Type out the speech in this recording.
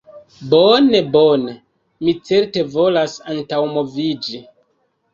Bone, bone. Mi certe volas antaŭmoviĝi.